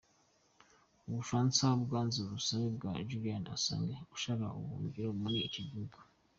Ubufaransa bwanze ubusabe bwa Julian Assange ushaka ubuhungiro muri icyo gihugu.